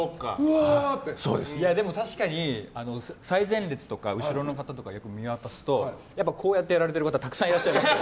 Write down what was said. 確かに、最前列とか後ろの方をよく見渡すとこうやってやられている方たくさんいらっしゃいます。